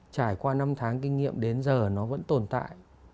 trải qua năm tháng kinh nghiệm đến giờ nó vẫn tồn tại